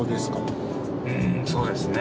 うーんそうですね。